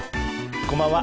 こんばんは。